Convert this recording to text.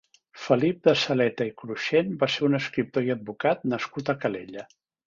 Felip de Saleta i Cruxent va ser un escriptor i advocat nascut a Calella.